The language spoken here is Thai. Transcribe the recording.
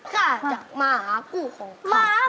ข้าจากหมากูของข้า